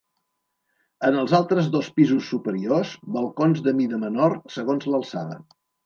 En els altres dos pisos superiors, balcons de mida menor segons l'alçada.